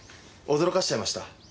驚かせちゃいました？